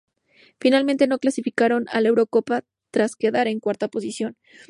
Finalmente no clasificaron a la Eurocopa tras quedar en cuarta posición.